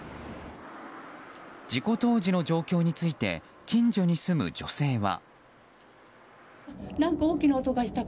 事故当時の状況について近所に住む女性は。